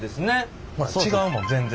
ほら違うもん全然。